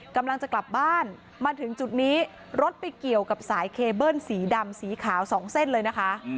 กำลังจะกลับบ้านมาถึงจุดนี้รถไปเกี่ยวกับสายเคเบิ้ลสีดำสีขาวสองเส้นเลยนะคะ